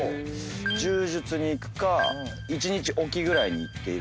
柔術に行くか１日おきぐらいに行っているので。